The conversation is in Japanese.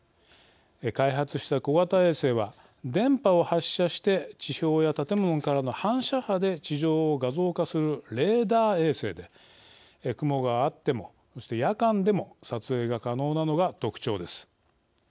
開発した小型衛星は電波を発射して地表や建物からの反射波で地上を画像化するレーダー衛星で雲があっても、そして夜間でも撮影が可能なのが特徴です。